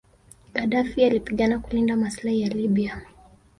Gadaffi alipigana kulinda maslahi ya Libya